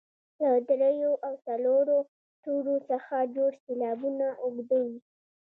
له دریو او څلورو تورو څخه جوړ سېلابونه اوږده وي.